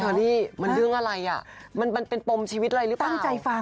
เธอนี่มันเรื่องอะไรอ่ะมันเป็นปมชีวิตอะไรหรือเปล่า